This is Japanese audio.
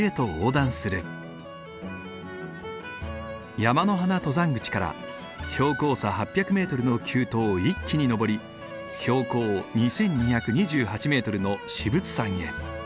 山ノ鼻登山口から標高差８００メートルの急登を一気に登り標高２，２２８メートルの至仏山へ。